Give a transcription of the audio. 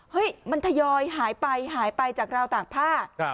มันทยอยหายไปหายไปจากราวตากผ้า